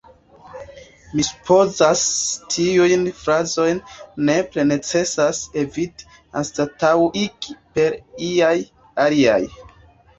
Mi supozas, tiujn frazojn nepre necesas eviti, anstataŭigi per iaj aliaj.